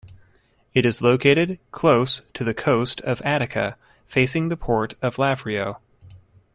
It is located close to the coast of Attica, facing the port of Lavrio.